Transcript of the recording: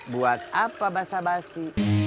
buat apa basah basi